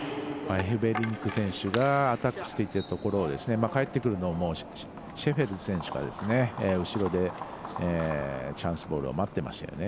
エフベリンク選手がアタックしてくるところを返ってくるのをシェフェルス選手が後ろでチャンスボールを待ってましたよね。